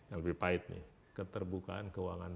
yang lebih pahit nih keterbukaan keuangan